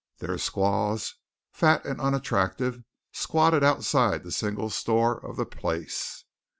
Their squaws, fat and unattractive, squatted outside the single store of the place.